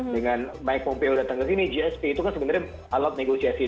dengan mike pompeo datang ke sini gsp itu kan sebenarnya alat negosiasi